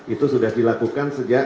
itu sudah dilakukan sejak